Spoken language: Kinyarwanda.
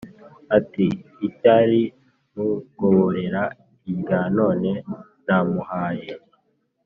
ati » icyarnungoborera irya nonenamuhaye